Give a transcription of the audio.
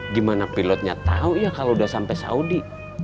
gimana pilotnya tau ya kalau udah sampe saudi